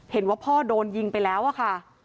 เห็นว่าพ่อโดนยิงไปแล้วอะค่ะ